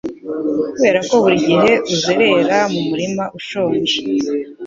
Kuberako burigihe uzerera numutima ushonje.